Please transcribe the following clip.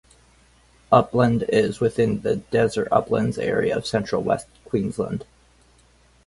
Upland is within the Desert Uplands area of Central West Queensland.